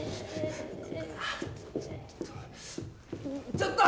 ちょっと！